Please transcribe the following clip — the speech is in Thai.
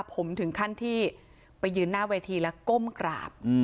ผมถึงขั้นที่ไปยืนหน้าเวทีแล้วก้มกราบ